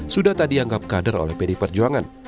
sudah tak dianggap kader oleh pd perjuangan